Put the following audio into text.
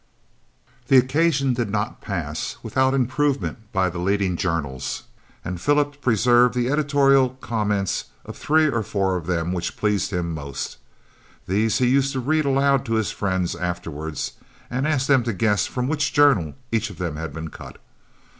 The occasion did not pass without "improvement" by the leading journals; and Philip preserved the editorial comments of three or four of them which pleased him most. These he used to read aloud to his friends afterwards and ask them to guess from which journal each of them had been cut.